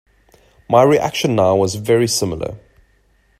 My reaction now was very similar.